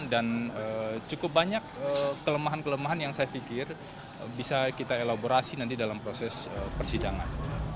dan cukup banyak kelemahan kelemahan yang saya pikir bisa kita elaborasi nanti dalam proses persidangan